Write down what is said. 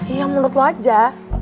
iya menurut lo aja